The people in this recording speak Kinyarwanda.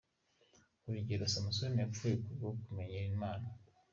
Urugero, Samusoni yapfuye ku bwo kumenyera Imana:.